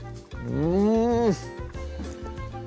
うん！